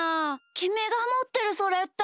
きみがもってるそれって。